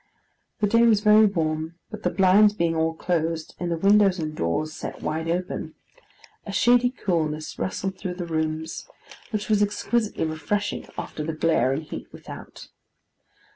The day was very warm, but the blinds being all closed, and the windows and doors set wide open, a shady coolness rustled through the rooms, which was exquisitely refreshing after the glare and heat without.